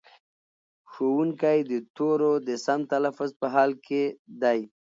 ښوونکی د تورو د سم تلفظ په حال کې دی.